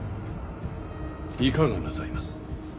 いかがなさいます。